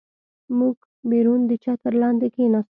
موږ بیرون د چتر لاندې کېناستو.